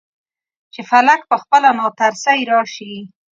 چې فلک پخپله ناترسۍ راشي.